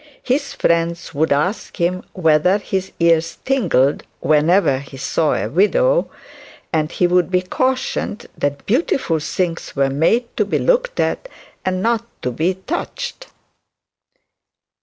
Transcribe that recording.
His friends would ask him whether his ears tingled whenever he saw a widow; and he would be cautioned that beautiful things were made to be looked at, and not to be touched.